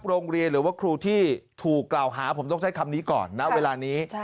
โรงเรียนหรือว่าครูที่ถูกกล่าวหาผมต้องใช้คำนี้ก่อนณเวลานี้